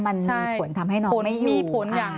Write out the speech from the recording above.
มันมีผลทำให้น้องไม่อยู่